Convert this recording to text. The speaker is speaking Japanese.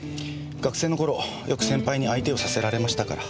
学生の頃よく先輩に相手をさせられましたから。